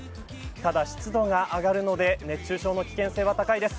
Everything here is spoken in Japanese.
ただ、湿度が上がるので熱中症の危険性は高いです。